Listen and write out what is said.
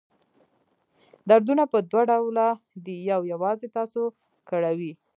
دردونه په دوه ډوله دي یو یوازې تاسو کړوي.